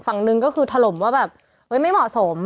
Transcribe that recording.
ฝั่งหนึ่งก็คือถล่มว่าแบบไม่เหมาะสม